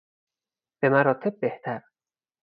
به مراتب بهتر